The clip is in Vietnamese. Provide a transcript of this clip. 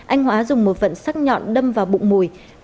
anh hóa dùng một vận sắc nhọn đâm vào bụng mùi